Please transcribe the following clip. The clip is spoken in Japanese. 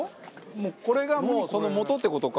もうこれがそのもとって事か。